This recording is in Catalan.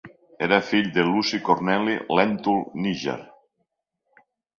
Era fill de Luci Corneli Lèntul Níger.